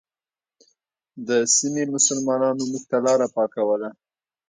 د سیمې مسلمانانو موږ ته لاره پاکوله.